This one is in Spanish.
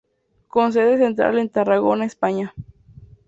Con sede central en Tarragona, España.